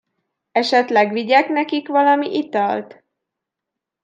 Esetleg vigyek nekik valami italt?